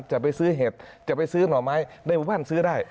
จะไปซื้อเห็ดจะไปซื้อหน่อไม้ในหมู่บ้านซื้อได้